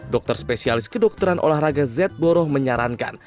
dokter spesialis kedokteran olahraga z boroh menyarankan